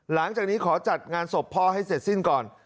หลังจากนี้ขอจัดงานศพพ่อให้เสร็จสิ้นก่อน